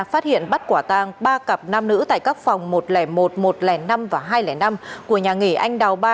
phát hiện bắt quả tang ba cặp nam nữ tại các phòng một trăm linh một một trăm linh năm và hai trăm linh năm của nhà nghỉ anh đào ba